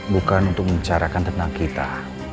bukan untuk membicarakan tentang kita